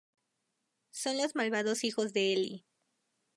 Son los malvados hijos de Elí.